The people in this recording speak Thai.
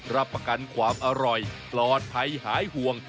รับประกันความอร่อยปลอดภัยหายห่วง